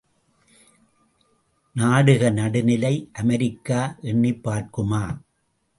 நாடுக நடுநிலை அமெரிக்கா எண்ணிப்பார்க்குமா?